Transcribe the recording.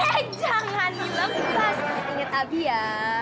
eh jangan dilepas inget abi ya